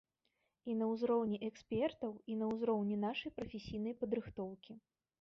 І на ўзроўні экспертаў, і на ўзроўні нашай прафесійнай падрыхтоўкі.